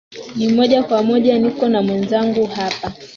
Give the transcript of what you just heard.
na moja kwa moja niko na mwenzangu hapa